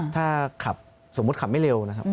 ถ้าขับสมมุติขับไม่เร็วนะครับ